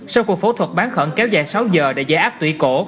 sau cuộc phẫu thuật bán khẩn kéo dài sáu giờ để giải áp tủy cổ